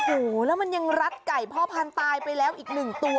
โอ้โหแล้วมันยังรัดไก่พ่อพันธุ์ตายไปแล้วอีกหนึ่งตัว